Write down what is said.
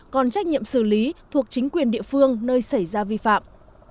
còn trách nhiệm xử lý thuộc chính quyền địa phương nơi xảy ra vi phạm